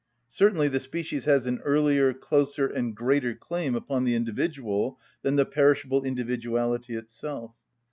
Certainly the species has an earlier, closer, and greater claim upon the individual than the perishable individuality itself.